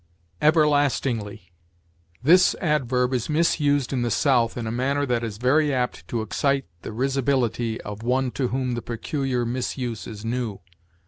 EVERLASTINGLY. This adverb is misused in the South in a manner that is very apt to excite the risibility of one to whom the peculiar misuse is new.